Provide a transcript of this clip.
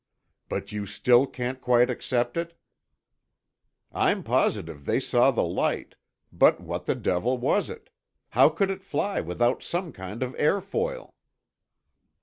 "But you still can't quite accept it?" "I'm positive they saw the light—but what the devil was it? How could it fly without some kind of airfoil?"